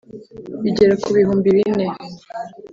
bigera ku bihumbi bine